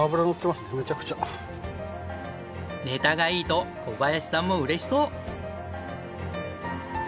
ネタがいいと小林さんも嬉しそう！